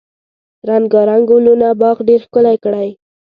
رنګارنګ ګلونه باغ ډیر ښکلی کړی.